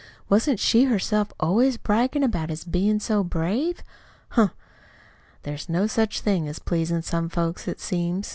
"Wasn't she herself always braggin' about his bein' so brave? Humph! There's no such thing as pleasin' some folks, it seems!"